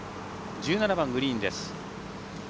１７番グリーンです。